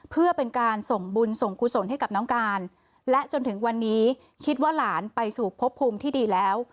เพื่อเป็นการส่งบุญส่งกุศลให้กับน้องการและจนถึงวันนี้คิดว่าหลานไปสู่พบภูมิที่ดีแล้ว